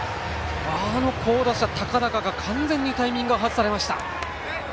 あの好打者・高中が完全にタイミングを外されました。